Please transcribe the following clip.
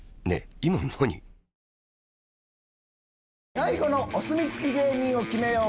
大悟のお墨付き芸人を決めよう！